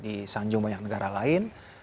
kita sudah disanjung banyak negara lain